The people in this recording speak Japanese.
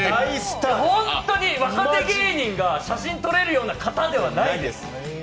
本当に、若手芸人が写真撮れるような方ではないです。